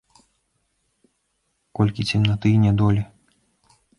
Колькі цемнаты і нядолі!